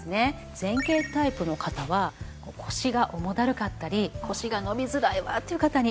前傾タイプの方は腰が重だるかったり腰が伸びづらいわという方に多いんですね。